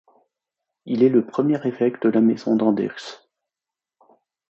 Il est le premier évêque de la maison d'Andechs.